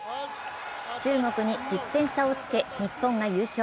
中国に１０点差をつけ、日本が優勝。